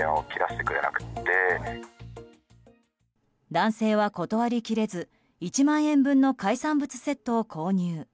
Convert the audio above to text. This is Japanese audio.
男性は断り切れず１万円分の海産物セットを購入。